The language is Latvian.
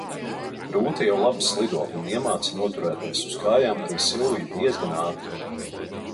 Rūta jau labi slido un iemāca noturēties uz kājām arī Silviju diezgan ātri.